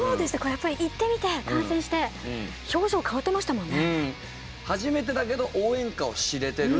やっぱり行ってみて観戦して表情変わってましたもんね。